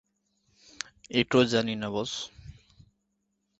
Harrow স্কুলে অধ্যয়ন করেন।